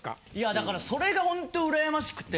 だからそれがホントうらやましくて。